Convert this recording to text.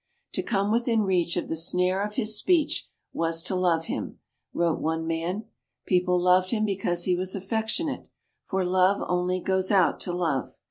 "To come within reach of the snare of his speech was to love him," wrote one man. People loved him because he was affectionate, for love only goes out to love.